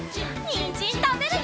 にんじんたべるよ！